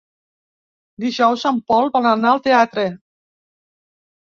Dijous en Pol vol anar al teatre.